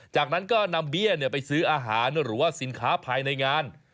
จากนั้นก็นำเบี้ยไปซื้ออาหารหรือว่าสินค้าภายในงาน